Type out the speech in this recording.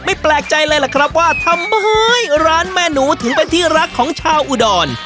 แปลกใจเลยล่ะครับว่าทำไมร้านแม่หนูถึงเป็นที่รักของชาวอุดร